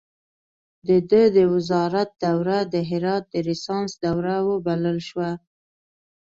د ده د وزارت دوره د هرات د ریسانس دوره وبلل شوه.